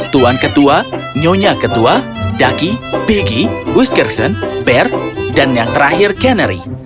tuan ketua nyonya ketua ducky piggy whiskerson bear dan yang terakhir canary